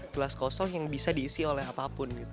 gelas kosong yang bisa diisi oleh apapun gitu